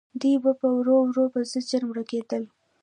دوی به ورو ورو په زجر مړه کېدل.